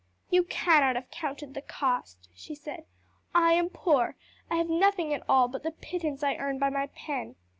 "You cannot have counted the cost," she said. "I am poor; I have nothing at all but the pittance I earn by my pen.